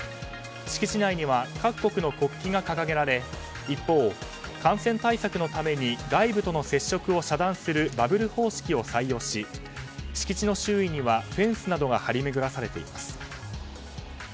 敷地内には各国の国旗が掲げられ一方、感染対策のために外部との接触を遮断するバブル方式を採用し敷地の周囲にはフェンスなどが張り巡らされています。